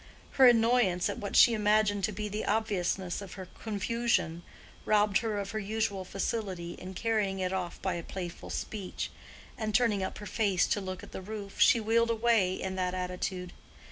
Her annoyance at what she imagined to be the obviousness of her confusion robbed her of her usual facility in carrying it off by playful speech, and turning up her face to look at the roof, she wheeled away in that attitude.